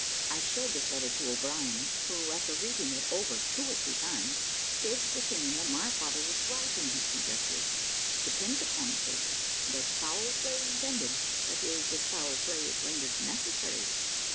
I showed this letter to O'Brien, who, after reading it over two or three times, gave his opinion that my father was right in his conjectures. "Depend upon it, Peter, there's foul play intended, that is, if foul play is rendered necessary."